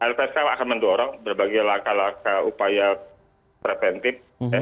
lpsk akan mendorong berbagai laka laka upaya preventif